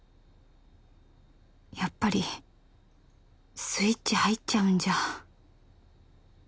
やっぱりスイッチ入っちゃうんじゃ